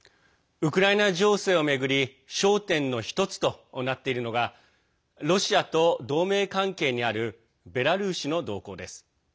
ウクライナ情勢を巡り焦点の１つとなっているのがロシアと同盟関係にあるベラルーシの動向です。